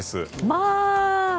まあ！